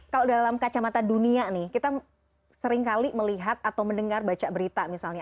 kalau dalam kacamata dunia nih kita seringkali melihat atau mendengar baca berita misalnya